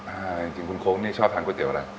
จริงคุณโค้งนี่ชอบทานก๋วเตี๋อะไร